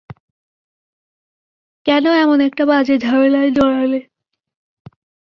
কেন এমন একটা বাজে ঝামেলায় জড়াল?